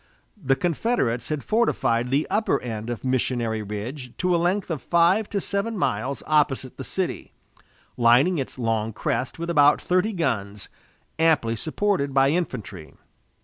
The Confederates had fortified the upper end of Missionary Ridge to a length of five to seven miles opposite the city, lining its long crest with about thirty guns, amply supported by infantry.